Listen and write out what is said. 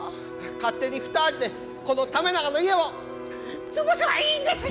勝手に２人でこの為永の家を潰せばいいんですよ！